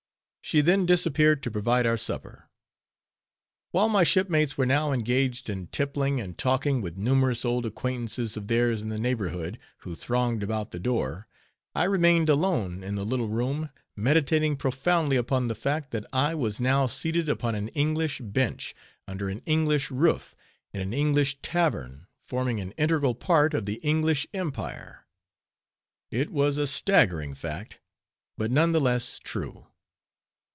She then disappeared to provide our supper. While my shipmates were now engaged in tippling, and talking with numerous old acquaintances of theirs in the neighborhood, who thronged about the door, I remained alone in the little room, meditating profoundly upon the fact, that I was now seated upon an English bench, under an English roof, in an English tavern, forming an integral part of the English empire. It was a staggering fact, but none the less true.